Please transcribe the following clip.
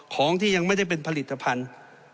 ของที่ยังไม่ได้เป็นผลิตภัณฑ์